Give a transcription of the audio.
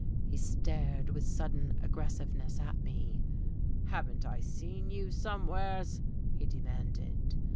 He stared with sudden aggressiveness at me. "Haven't I seen you some wheres?" he demanded.